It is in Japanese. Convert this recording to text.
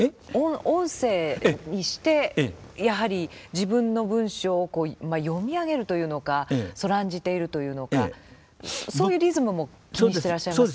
音声にしてやはり自分の文章をこう読み上げるというのかそらんじているというのかそういうリズムも気にしていらっしゃいますか？